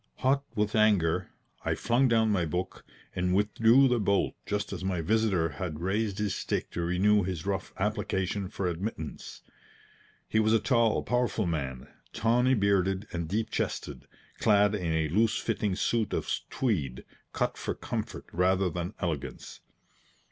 Hot with anger, I flung down my book and withdrew the bolt just as my visitor had raised his stick to renew his rough application for admittance. He was a tall, powerful man, tawny bearded and deep chested, clad in a loose fitting suit of tweed, cut for comfort rather than elegance.